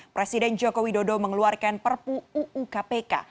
presiden joko widodo mengeluarkan perpu uu kpk